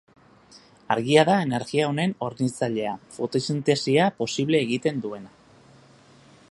Argia da energia honen hornitzailea, fotosintesia posible egiten duena.